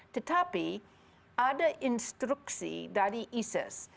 tetapi ada instruksi dari isis